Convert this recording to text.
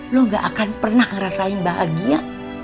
lo gak akan pernah ngerasain bahagia